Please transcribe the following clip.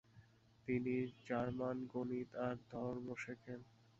তিনি জার্মান, গণিত আর ধর্ম শেখেন।